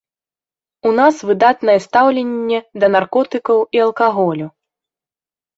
У нас выдатнае стаўленне да наркотыкаў і алкаголю.